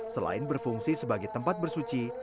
selain berfungsi sebagai tempat bersuci